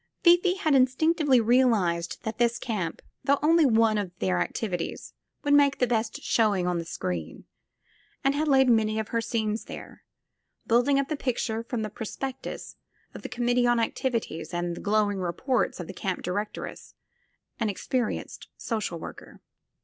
Fifi had 186 THE FILM OF FATE instinctively realized that this camp, though only one of their activities, would make the best showing on the screen, and had laid many of her scenes there, building up the pictures from the prospectus of the Committee on Activities and the glowing reports of the camp direc tress, an experienced social worker.